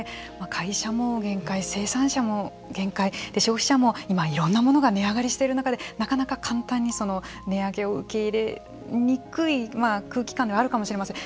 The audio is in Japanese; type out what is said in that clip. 会社も限界生産者も限界消費者も今いろんなものが値上がりしている中でなかなか簡単にその値上げを受け入れにくい空気感ではあるかもしれません。